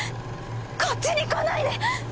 こっちに来ないで！